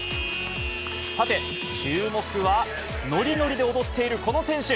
さて、注目は、のりのりで踊っているこの選手。